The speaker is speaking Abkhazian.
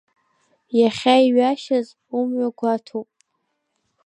Иахьа иҩашьаз, умҩа гәаҭоуп…